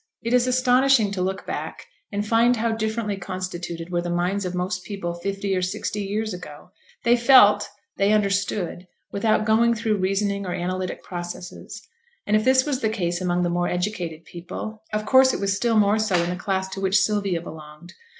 It is astonishing to look back and find how differently constituted were the minds of most people fifty or sixty years ago; they felt, they understood, without going through reasoning or analytic processes, and if this was the case among the more educated people, of course it was still more so in the class to which Sylvia belonged.